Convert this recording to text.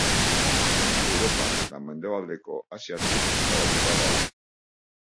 Europa eta mendebaldeko Asiatik zabalduta dago.